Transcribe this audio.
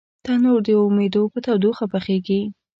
تنور د امیدو په تودوخه کې پخېږي